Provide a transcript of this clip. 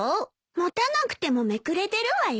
持たなくてもめくれてるわよ。